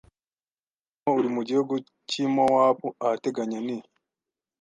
Abarimu uri mu gihugu cy i Mowabu ahateganye ni